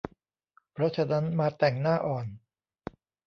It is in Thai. เพราะฉะนั้นมาแต่งหน้าอ่อน